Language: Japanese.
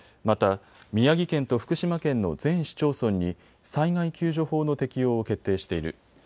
また、宮城県と福島県の全市町村に災害救助法の適用を決定している。